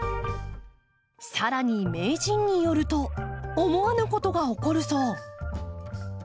さらに名人によると思わぬことが起こるそう。